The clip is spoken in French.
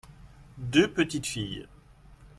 deux petites filles.